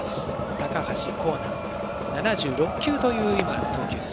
高橋光成７６球という今、投球数。